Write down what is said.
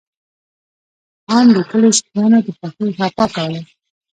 آن د کلي سپيانو د خوښۍ غپا کوله.